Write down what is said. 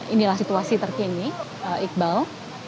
inilah situasi terkini iqbal